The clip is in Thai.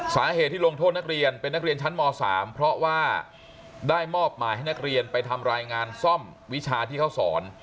สาเหตุที่ลงโทษนักเรียนเป็นนักเรียนชั้นม๓เพราะว่าได้มอบหมายให้นักเรียนไปทำรายงานซ่อมวิชาที่เขาสอน